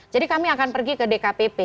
jadi kami akan pergi ke dkpp